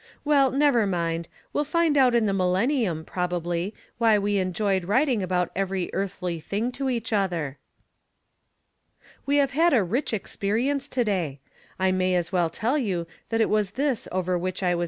Well, never mind, we'll find out in the millennium, probably, why we enjoyed writing about every earthly thing to each other. We have had a rich experience to day. I may as well tell you that it was this over which I was From Different Standpoints.